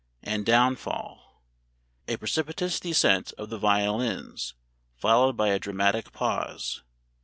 "AND DOWNFALL." [A precipitous descent of the violins, followed by a dramatic pause.